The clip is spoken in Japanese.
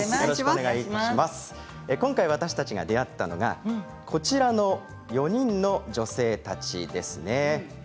今回、私たちが出会ったのはこちらの４人の女性たちですね。